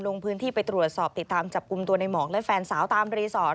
ลงพื้นที่ไปตรวจสอบติดตามจับกลุ่มตัวในหมอกและแฟนสาวตามรีสอร์ท